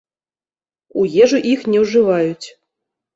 У ежу іх не ўжываюць.